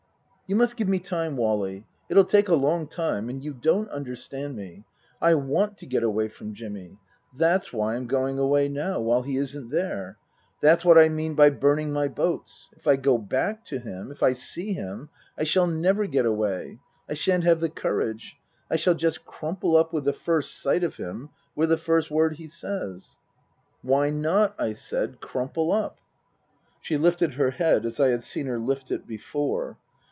" You must give me time, Wally. It'll take along time. And you don't understand me. I want to get away from Jimmy. That's why I'm going away now, while he isn't there. That's what I mean by burning my boats. If I go back to him if I see him I shall never get away. I shan't have the courage. I shall just crumple up with the first sight of him with the first word he says "" Why not," I said, " crumple up ?" She lifted her head as I had seen her lift it before.